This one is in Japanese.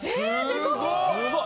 すごい！